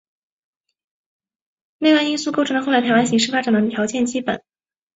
内外因素构成了后来台海形势发展的条件基础。